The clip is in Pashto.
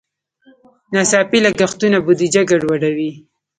ناڅاپي لګښتونه بودیجه ګډوډوي.